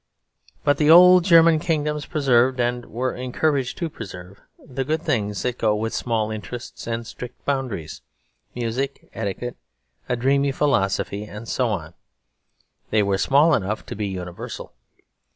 But the old German kingdoms preserved, and were encouraged to preserve, the good things that go with small interests and strict boundaries, music, etiquette, a dreamy philosophy, and so on. They were small enough to be universal.